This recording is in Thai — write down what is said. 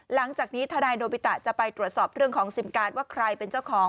หลังจากนี้ทนายโนบิตะจะไปตรวจสอบเรื่องของซิมการ์ดว่าใครเป็นเจ้าของ